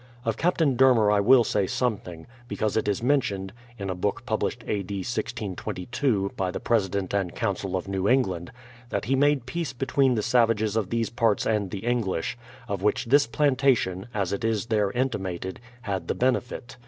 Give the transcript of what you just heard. Of Captain Dermer I will say something, because it is men tioned, — in a book published A. D. 1622, by the President and Council of New England, — that he made peace between the savages of these parts and the English, of which this plantation, as it is there intimated, had the benefit.